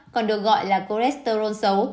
còn được gọi là cholesterol xấu